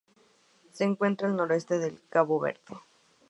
Se encuentra al noroeste de Cabo Verde.